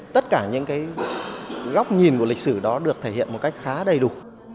tất cả những góc nhìn của lịch sử đó được thể hiện một cách khá đầy đủ